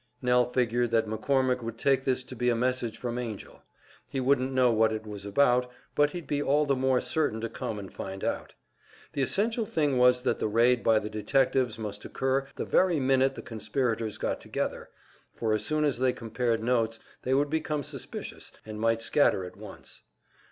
Nell figured that McCormick would take this to be a message from Angell. He wouldn't know what it was about, but he'd be all the more certain to come and find out. The essential thing was that the raid by the detectives must occur the very minute the conspirators got together, for as soon as they compared notes they would become suspicious, and might scatter at once.